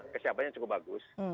kesiapannya cukup bagus